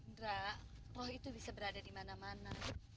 indra roh itu bisa berada di mana mana